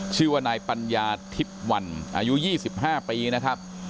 ชื่อว่านายปัญญาทิพย์วันอายุ๒๕ปีนะครับ